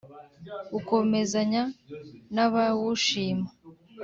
ukomezanya n’abawushima?